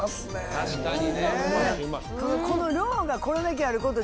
確かにね。